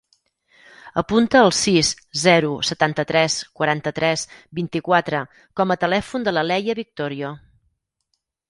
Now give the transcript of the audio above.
Apunta el sis, zero, setanta-tres, quaranta-tres, vint-i-quatre com a telèfon de la Leia Victorio.